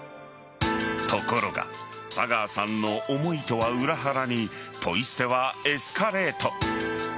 ところが田川さんの思いとは裏腹にポイ捨てはエスカレート。